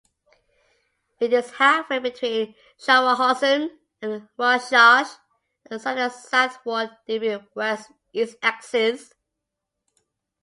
It is halfway between Schaffhausen and Rorschach on a slightly southward-dipping west-east axis.